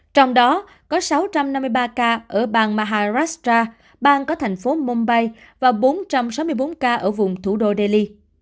trong đó có sáu trăm năm mươi ba ca ở bang maharastra bang có thành phố mombay và bốn trăm sáu mươi bốn ca ở vùng thủ đô delhi